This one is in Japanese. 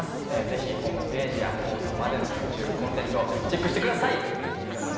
ぜひホームページや放送までのＹｏｕＴｕｂｅコンテンツをチェックしてください！